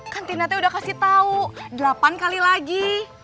kan tina teh udah kasih tau delapan kali lagi